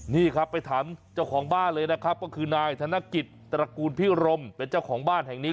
นี่ครับไปถามเจ้าของบ้านเลยนะครับก็คือนายธนกิจตระกูลพิรมเป็นเจ้าของบ้านแห่งนี้